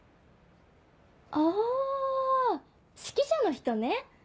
あ指揮者の人ね！